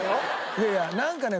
いやいやなんかね